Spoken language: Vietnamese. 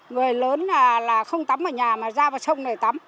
người lớn là không tắm ở nhà mà ra vào sông này tắm